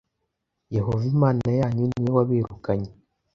Yehova Imana yanyu ni we wabirukanye